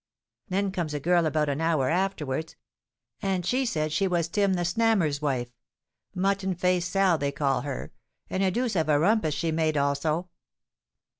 Then comes a girl about an hour afterwards; and she said she was Tim the Snammer's wife—Mutton faced Sal they call her;—and a deuce of a rumpus she made also."